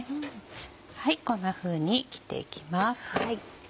こんなふうに切っていきます。